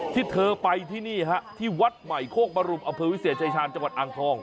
ที่เธอไปที่นี่ฮะที่วัดใหม่โคกบรุมอำเภอวิเศษชายชาญจังหวัดอ่างทอง